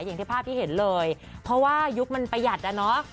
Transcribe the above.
อย่างที่ภาพที่เห็นเลยเพราะว่ายุคมันประหยัดอะเนาะ